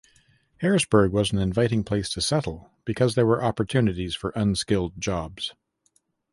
Harrisburg was an inviting place to settle because there were opportunities for unskilled jobs.